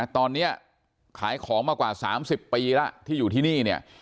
ตอนนี้ขายของมากว่า๓๐ปีแล้วที่อยู่ที่นี่เนี่ย